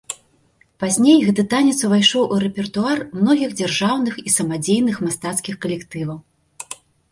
Пазней гэты танец увайшоў у рэпертуар многіх дзяржаўных і самадзейных мастацкіх калектываў.